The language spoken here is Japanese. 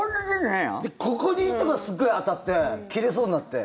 ここに糸がすごい当たって切れそうになって。